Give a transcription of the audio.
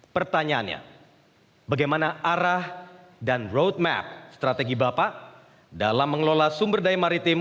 pertanyaannya bagaimana arah dan roadmap strategi bapak dalam mengelola sumber daya maritim